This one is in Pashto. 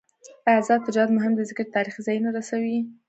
آزاد تجارت مهم دی ځکه چې تاریخي ځایونه رسوي.